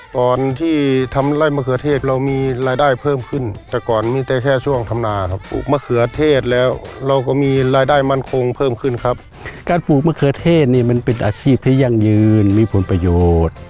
การปลูกมะเขือเทศนี่มันเป็นอาชีพที่ยังยืนมีผลประโยชน์